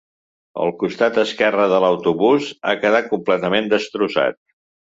El costat esquerre de l’autobús ha quedat completament destrossat.